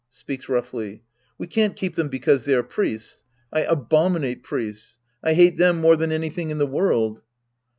{Speaks roughly^ We can't keep them because they are priests. I abominate priests. I hate them more than anything in the world.